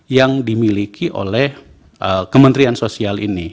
yang dimiliki oleh kementerian sosial ini